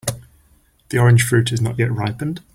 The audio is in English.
The orange fruit is not yet ripened.